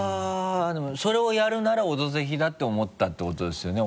でもそれをやるなら「オドぜひ」だって思ったってことですよね？